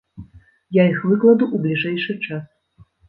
Я іх выкладу ў бліжэйшы час.